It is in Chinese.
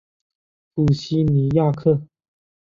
普西尼亚克。